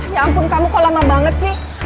ya ampun kamu kok lama banget sih